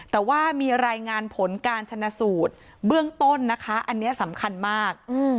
แต่ว่ามีรายงานผลการชนะสูตรเบื้องต้นนะคะอันนี้สำคัญมาก